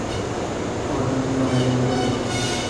আমায় এখানে ফেলে রেখো না!